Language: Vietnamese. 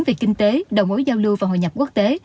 về kinh tế đầu mối giao lưu và hội nhập quốc tế